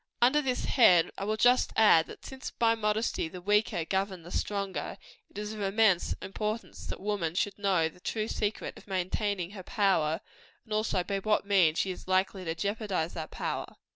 Under this head I will just add, that since by modesty the weaker govern the stronger, it is of immense importance that woman should know the true secret of maintaining her power and also by what means she is likely to jeopardize that power.